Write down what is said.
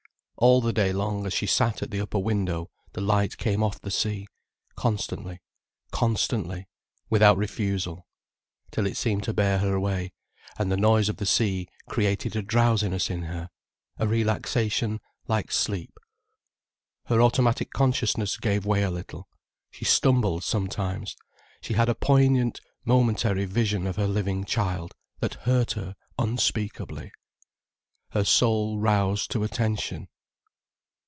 All the day long, as she sat at the upper window, the light came off the sea, constantly, constantly, without refusal, till it seemed to bear her away, and the noise of the sea created a drowsiness in her, a relaxation like sleep. Her automatic consciousness gave way a little, she stumbled sometimes, she had a poignant, momentary vision of her living child, that hurt her unspeakably. Her soul roused to attention.